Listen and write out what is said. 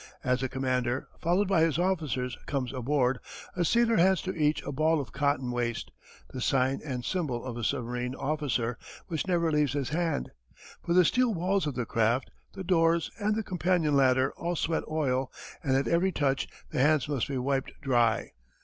As the commander, followed by his officers, comes aboard, a sailor hands to each a ball of cotton waste, the sign and symbol of a submarine officer, which never leaves his hand. For the steel walls of his craft, the doors, and the companion ladder all sweat oil, and at every touch the hands must be wiped dry.